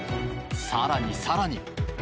更に更に。